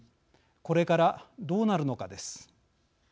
これからどうなるのか、です。